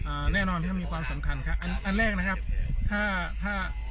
อ่าแน่นอนที่มันมีความสำคัญค่ะอันแรกนะครับถ้าถ้า